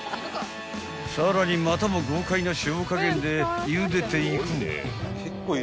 ［さらにまたも豪快な塩加減でゆでていく］